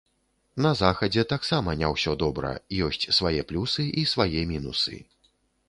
На захадзе таксама не ўсё добра, ёсць свае плюсы і свае мінусы.